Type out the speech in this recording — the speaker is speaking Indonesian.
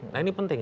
nah ini penting